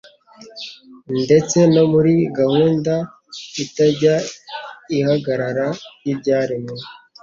ndetse no muri gahunda itajya ihagarara y’ibyaremwe